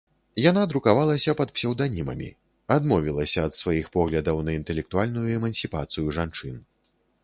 Яна друкавалася пад псеўданімамі, адмовілася ад сваіх поглядаў на інтэлектуальную эмансіпацыю жанчын.